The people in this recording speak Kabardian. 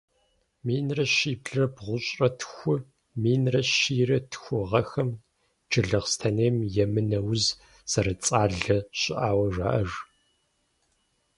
Минрэ щиблрэ бгъущӀрэ тху-минрэ щийрэ тху гъэхэм Джылахъстэнейм емынэ уз зэрыцӀалэ щыӀауэ жаӀэж.